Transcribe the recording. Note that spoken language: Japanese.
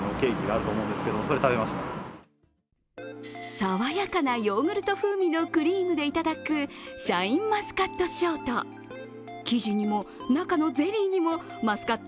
爽やかなヨーグルト風味のクリームでいただくシャインマスカットショート。